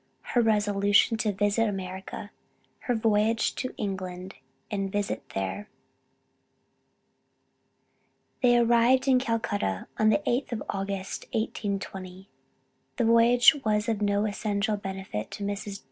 HER RESOLUTION TO VISIT AMERICA. HER VOYAGE TO ENGLAND AND VISIT THERE. They arrived in Calcutta on the 8th of August, 1820. The voyage was of no essential benefit to Mrs. J.'